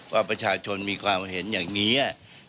ว่าประชาชนมีความเห็นอย่างนี้